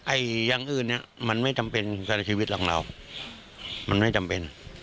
อย่างอื่นเนี่ยมันไม่จำเป็นกับชีวิตของเรามันไม่จำเป็น